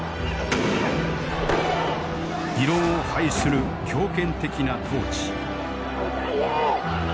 異論を排する強権的な統治。